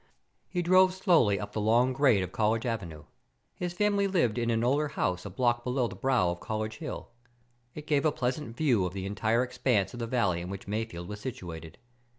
He drove slowly up the long grade of College Avenue. His family lived in an older house a block below the brow of College Hill. It gave a pleasant view of the entire expanse of the valley in which Mayfield was situated.